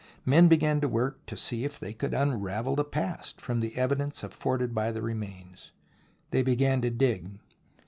Men began to work to see if they could unravel the past from the evidence afforded by the remains. They began to dig.